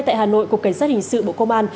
tại hà nội cục cảnh sát hình sự bộ công an